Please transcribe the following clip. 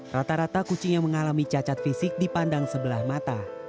rata rata kucing yang mengalami cacat fisik dipandang sebelah mata